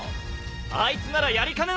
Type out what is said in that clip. あいつならやりかねない。